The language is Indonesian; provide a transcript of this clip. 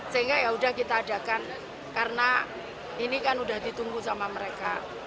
sehingga yaudah kita adakan karena ini kan udah ditunggu sama mereka